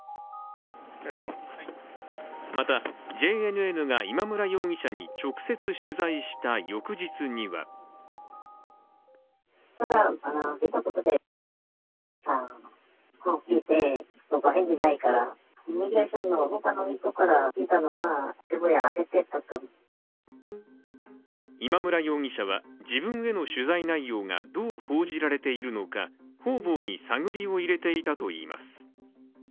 また、ＪＮＮが今村容疑者に直接取材した翌日には今村容疑者は自分への取材内容がどう報じられているのか、方々に探りを入れていたといいます。